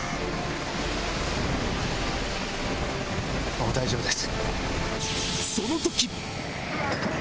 もう大丈夫です。